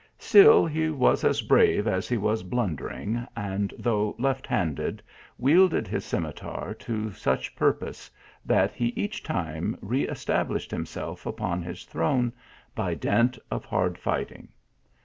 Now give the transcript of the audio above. Still he was as brave as he was blundering, and, though left handed, wielded his scimitar to such purpose, that he each time re established himself upon his throne, by dint of hard fighting.